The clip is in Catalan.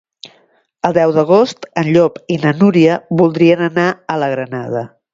El deu d'agost en Llop i na Núria voldrien anar a la Granada.